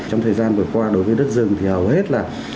trong thời gian vừa qua đối với đất rừng thì hầu hết là